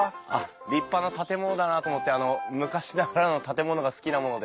立派な建物だなと思ってあの昔ながらの建物が好きなもので。